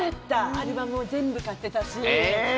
アルバムも全部買ってたし。